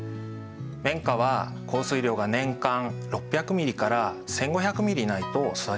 綿花は降水量が年間６００ｍｍから１，５００ｍｍないと育ちません。